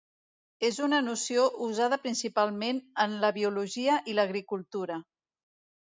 És una noció usada principalment en la biologia i l'agricultura.